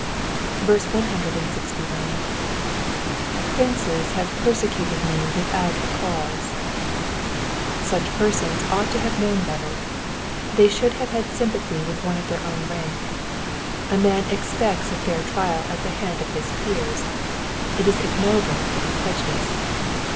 181. ^^ Princes have persecuted me without a cause,'* ^ Such persons oucht to have known better ; they should have had sympathy with one of their own rank. A man expects a fair trial at the hand of his peers : it is ignoble to be prejudiced.